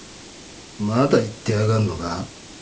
まだ言ってやがんのか？